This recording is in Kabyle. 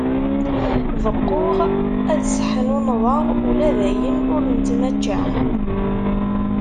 Beqquɣ ad seḥnunḍeɣ ula dayen ur nettmačča.